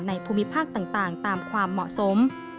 ภูมิภาคต่างตามความเหมาะสม